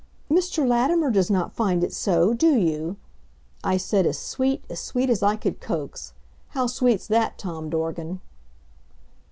"Mr. Latimer does not find it so do you?" I said as sweet as sweet as I could coax. How sweet's that, Tom Dorgan?